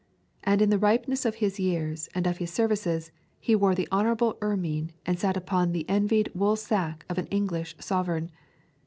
And in the ripeness of his years and of his services, he wore the honourable ermine and sat upon the envied wool sack of an English sovereign.